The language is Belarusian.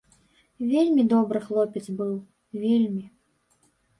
Вельмі добры хлопец быў, вельмі.